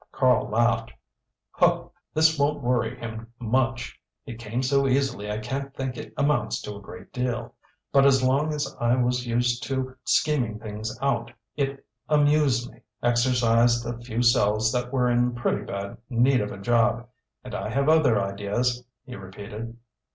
Karl laughed. "Oh this won't worry him much; it came so easily I can't think it amounts to a great deal. But as long as I was used to scheming things out it amused me, exercised a few cells that were in pretty bad need of a job. And I have other ideas," he repeated.